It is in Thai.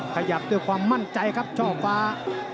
ขยับด้วยความมั่นใจครับช่อฟ้า